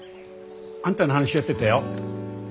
あんたの話をしてたよ。